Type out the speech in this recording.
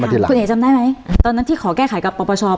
ไม่ได้ทราบคุณเห็นจำได้ไหมตอนนั้นที่ขอแก้ไขกับปรปช